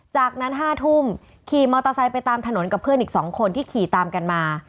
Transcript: จากนั้น๕ทุ่มขี่มอเตอร์ไซค์ไปตามถนนกับเพื่อนอีก๒คนที่ขี่ตามกันมา